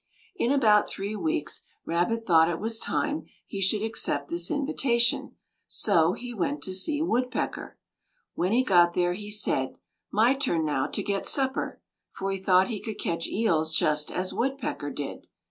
In about three weeks Rabbit thought it was time he should accept this invitation, so he went to see Woodpecker. When he got there he said: "My turn now to get supper;" for he thought he could catch eels just as Woodpecker did.